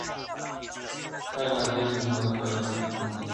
هر نظر دي زما لپاره د فتنو دی,